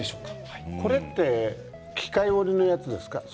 これって機械織りのやつですか？